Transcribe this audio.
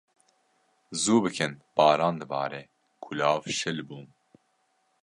Zû bikin baran dibare, kulav şil bûn.